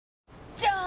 じゃーん！